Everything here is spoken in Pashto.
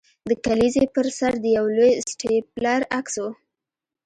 د کلیزې پر سر د یو لوی سټیپلر عکس و